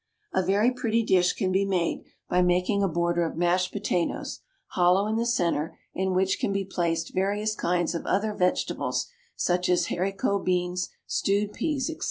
A very pretty dish can be made by making a border of mashed potatoes, hollow in the centre, in which can be placed various kinds of other vegetables, such as haricot beans, stewed peas, &c.